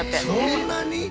そんなに？